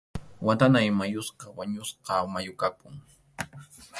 Watanáy mayuqa wañusqa mayu kapun.